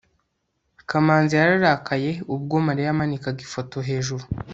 kamanzi yararakaye ubwo mariya yamanika ifoto hejuru